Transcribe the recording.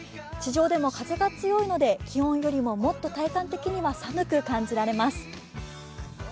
地上でも風が強いので気温よりも、もっと体感的には寒く感じられます。